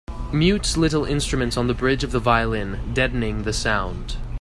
Mutes little instruments on the bridge of the violin, deadening the sound.